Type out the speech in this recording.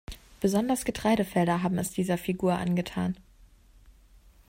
Besonders Getreidefelder haben es dieser Figur angetan.